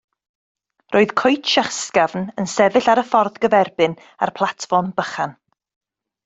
Roedd coetsh ysgafn yn sefyll ar y ffordd gyferbyn â'r platfform bychan.